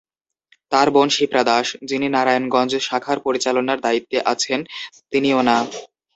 তাঁর বোন শিপ্রা দাশ, যিনি নারায়ণগঞ্জ শাখার পরিচালনার দায়িত্বে আছেন, তিনিও না।